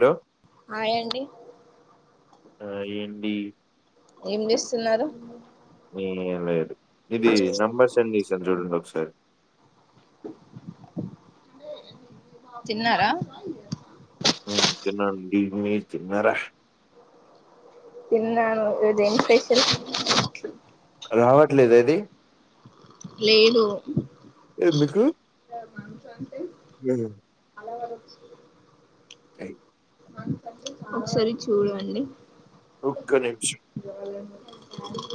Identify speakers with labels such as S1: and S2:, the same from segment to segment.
S1: Hello
S2: hi అండి
S1: హాయండి
S2: ఏం చేస్తున్నారు?
S1: ఏం లేదు ఇదీ నెంబర్ సెండ్ చెసాన్ చూడండోక్స్స సరి
S2: తిన్నారా?
S1: హ్మ్ తిన్నాఅండి, మీర్ తిన్నారా?
S2: తిన్నాను, ఈ రోజు ఎం స్పెషల్
S1: రావట్లేద ఇది
S2: లేదు
S1: ఎందుకు? ఉమ్ టయి
S2: ఒకసారి చూడండి
S1: ఒక్క నిమిషం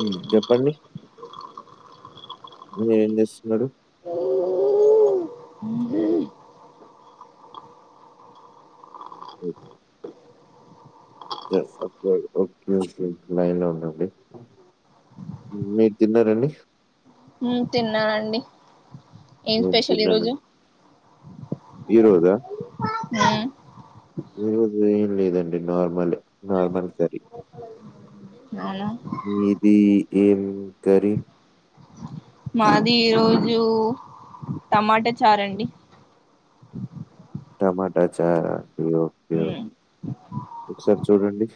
S1: ఉమ్ చెప్పండి? మీరేం జేస్తున్నరు?
S2: ఓ ఊ
S1: అయిపోద్ది ఓకే ఓకే లైన్ లో ఉండండి, మీర్ తిన్నారండి?
S2: హ్మ్ తిన్నానండి. ఏం
S1: నేను
S2: స్పెషల్ ఈరోజు?
S1: ఈరోజా?
S2: ఉమ్
S1: ఈరోజు ఏం లేదండి, నార్మలే నార్మల్ కర్రీ.
S2: అవునా
S1: మీది ఏం కర్రీ?
S2: మాది ఈరోజూ టమాట చారండి.
S1: టమాటా చారా అయ్యొ అయ్యొ
S2: మ్మ్
S1: ఒకసారి చూడండి?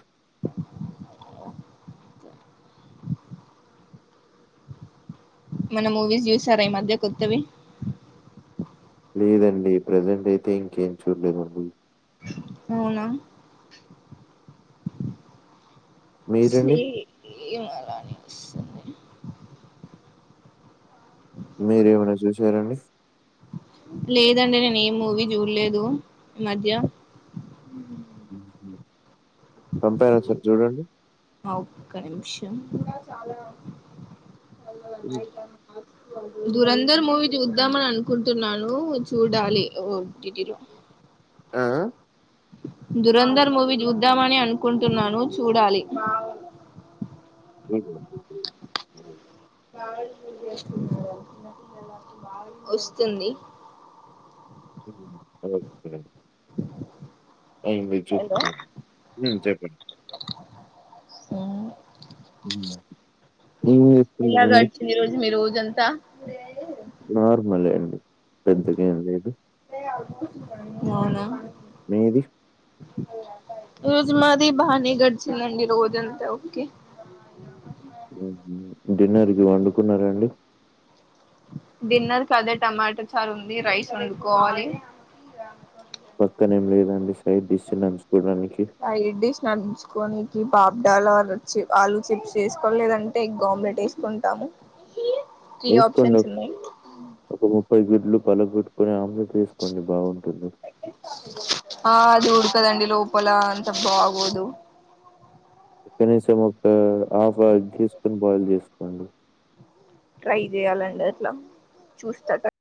S2: మన్నా మూవీస్ చూసారా ఈ మధ్య కొత్తవి?
S1: లేదండి, ప్రజెంట్ అయితే ఇంకేం చూడలేదండి.
S2: అవునా
S1: మీరండి?
S2: సేమ్ అలానే వస్తుంది
S1: మీరేమైనా చూసారండి?
S2: లేదండి నేనేమ్ మూవీ జూడలేదు మధ్య
S1: పంపాను ఒకసార్ చూడండి?
S2: ఆ ఒక్క నిమిషం మల్లొగాల
S1: హ్మ్.
S2: నైట్ అయిందన్ దురంధర్ మూవీ జూద్దామని అనుకుంటున్నాను, చూడాలి ఓ టి టి లో
S1: ఆ ఆ
S2: దురంధర్ మూవీ జూద్దామని అనుకుంటున్నాను, చూడాలి.
S1: [inaudible]
S2: [unintelligible] ష్కున్నారా వస్తుంది
S1: ఓకే అయి మీరు
S2: హలో
S1: చూస్కో ఉమ్ చెప్పండి ఉంబ
S2: ఎలా గడిచింది ఈ రోజు మీరుజు ఇదంత
S1: నార్మలే అండి పెద్దగా ఏమి లేదు
S2: అవున
S1: మీది
S2: రోజు మాది బానే గడిచిందండి రోజంతా ఓకే
S1: డిన్నర్కి వండుకున్నార అండి
S2: డిన్నర్ క అదే టమాటా చారు ఉంది. రైస్ వండుకోవాలి.
S1: పక్కనే ఏం లేదండి సైడ్ డిస్టబెన్స్
S2: ఆ ఇడ్డిష్ నంచుకోని పాపడాలు ఆలు చిప్స్ ఆలు చిప్స్ వేసుకోలేదంటే, ఎగ్ ఆమ్లెట్ వేసుకుంటాము. త్రీ
S1: ఏస్కోన్ డ్
S2: ఆప్షన్స్ ఉన్నాయి
S1: ఉహు పై గుడ్లు పలగొట్టుకుని ఆమ్లేట్ వేసుకోండి బాగుంటుంది.
S2: పదండి లోపలా అంత బాగోదు
S1: కనీసం ఒక హాఫ్ ఎగ్ తీసుకొని బాయిల్ చేసుకోండి.
S2: ట్రై చేయాలండి అట్లా చూస్తార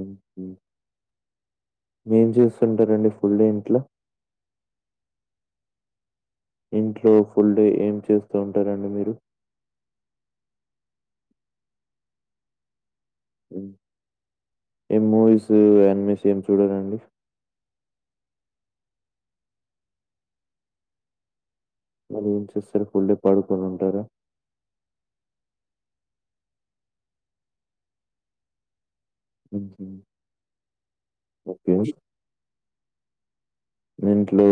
S1: ఉహు ఏం చేస్తుంటారండి ఫుల్ డే ఇంట్లో ఇంట్లో ఫుల్ డే ఏం చేస్తూ ఉంటారండి మీరు ఏ మూవీస్ అన్ మీస్ ఏం చూడరండి మరి ఏం చేస్తారు ఫుల్ డే పడుకొని ఉంటారా ఓకే ఓకే ఇంట్లో